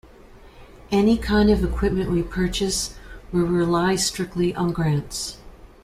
Any kind of equipment we purchase, we rely strictly on grants.